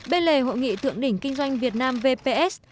bên lề hội nghị thượng đỉnh kinh doanh việt nam vps